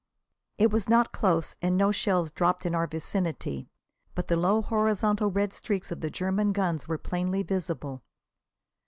It was not close, and no shells dropped in our vicinity. But the low, horizontal red streaks of the German guns were plainly visible.